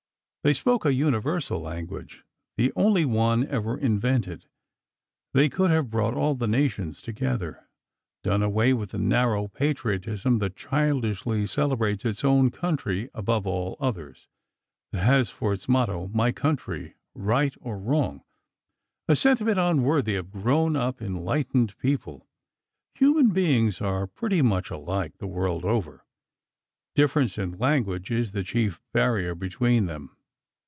They spoke a universal language—the only one ever invented. They could have brought all the nations together ... done away with the narrow patriotism that childishly celebrates its own country above all others, that has for its motto 'My country, right or wrong,' a sentiment unworthy of grown up, enlightened people. Human beings are pretty much alike, the world over. Difference in language is the chief barrier between them.